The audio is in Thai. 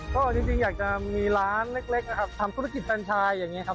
ก็จริงอยากจะมีร้านเล็กนะครับทำธุรกิจแฟนชายอย่างนี้ครับ